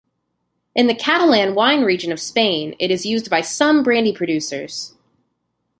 In the Catalan wine region of Spain it is used by some brandy producers.